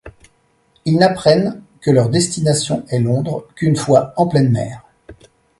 Ils n'apprennent que leur destination est Londres qu'une fois en pleine mer.